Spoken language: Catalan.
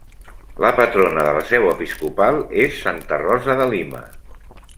La patrona de la seu episcopal és santa Rosa de Lima.